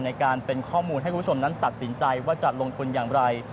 ในการเป็นข้อมูลให้คุณผู้ชมนั้นตัดสินใจว่าจะลงทุนอย่างไร